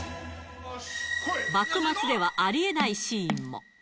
幕末ではありえないシーンも。